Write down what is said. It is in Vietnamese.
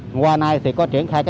hôm qua nay thì có triển khai